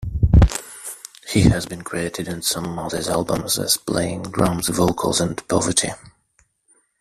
He has been credited on some Mothers albums as playing "drums, vocals, and poverty".